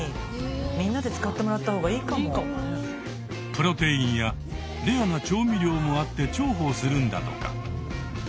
プロテインやレアな調味料もあって重宝するんだとか。